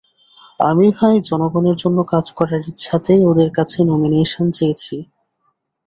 আমি ভাই জনগণের জন্য কাজ করার ইচ্ছাতেই ওদের কাছে নমিনেশন চেয়েছি।